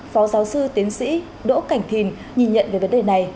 phó giáo sư tiến sĩ đỗ cảnh thìn nhìn nhận về vấn đề này